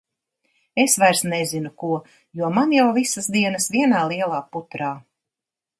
Es vairs nezinu ko, jo man jau visas dienas vienā lielā putrā.